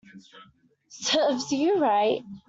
Serves you right